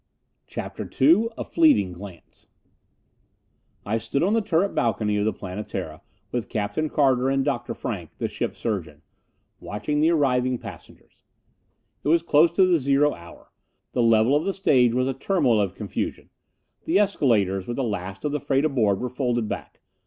CHAPTER II "A Fleeting Glance " I stood on the turret balcony of the Planetara with Captain Carter and Dr. Frank, the ship surgeon, watching the arriving passengers. It was close to the zero hour: the level of the stage was a turmoil of confusion. The escalators, with the last of the freight aboard, were folded back.